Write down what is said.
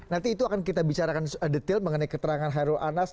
nanti itu akan kita bicarakan detail mengenai keterangan hairul anas